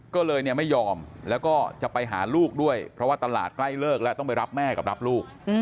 ก็เลยเนี่ยไม่ยอมแล้วก็จะไปหาลูกด้วยเพราะว่าตลาดใกล้เลิกแล้วต้องไปรับแม่กับรับลูก